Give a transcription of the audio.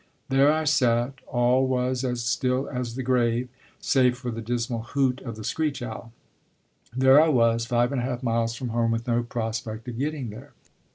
There I sat all was as still as the grave, save for the dismal hoot of the screech owl. There I was, five and a half miles from home with no prospect of getting there.